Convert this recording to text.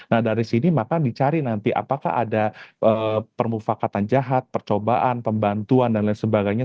nah dari sini maka dicari nanti apakah ada permufakatan jahat percobaan pembantuan dan lain sebagainya